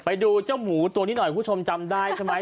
ไปดูเจ้าหมูตัวนี้หน่อยคุณผู้ชมจำได้ใช่ไหม